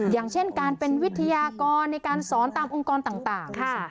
อย่างเช่นการเป็นวิทยากรในการสอนตามองค์กรต่างค่ะ